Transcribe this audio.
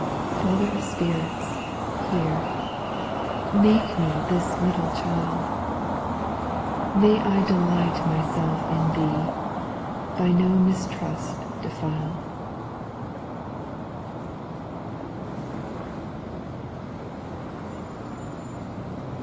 4. Father of spirits, hear. Make me this little child ; May I delight myself in Thee, By no mistrust defil'd.